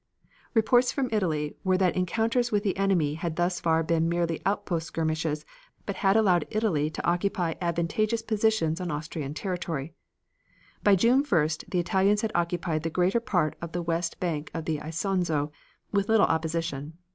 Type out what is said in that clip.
Reports from Italy were that encounters with the enemy had thus far been merely outpost skirmishes, but had allowed Italy to occupy advantageous positions on Austrian territory By June 1st, the Italians had occupied the greater part of the west bank of the Isonzo, with little opposition.